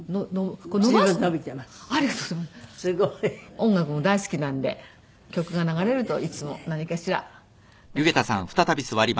音楽も大好きなんで曲が流れるといつも何かしら何かしら。